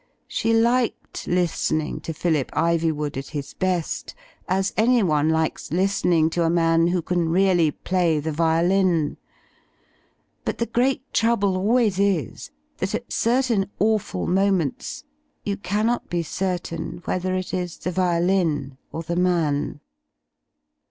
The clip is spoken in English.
She liked listening to Phillip Ivywood at his best, as anyone likes listening to a man who can really play the violin ; but the great trouble always is that at certain awful mo ments you cannot be certain whether it is the violin or the. man.